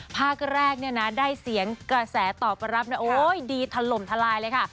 ภาคแรกได้เสียงกระแสต่อประรับโอ๊ยดีถล่มทลายเลยค่ะ